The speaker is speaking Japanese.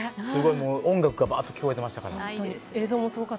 音楽が聞こえてましたから。